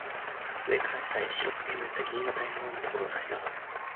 上から下へ白くけぶった銀河帯のようなところを指さしながら